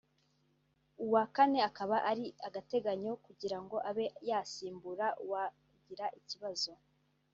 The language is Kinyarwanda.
uwa kane akaba ari agateganyo kugira ngo abe yasimbura uwagira ikibazo